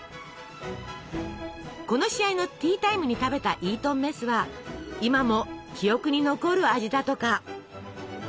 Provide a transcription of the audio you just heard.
この試合のティータイムに食べたイートンメスは今も記憶に残る味だとか。